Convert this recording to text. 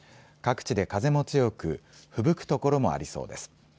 各地で風も強くふぶく所もありそうです。